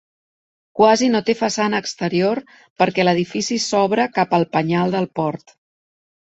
Quasi no té façana exterior, perquè l'edifici s'obre cap al penyal del port.